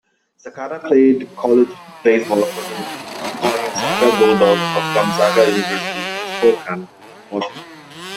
Sakata played college baseball for the Gonzaga Bulldogs of Gonzaga University in Spokane, Washington.